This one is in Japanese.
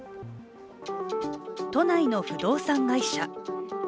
都内の不動産会社。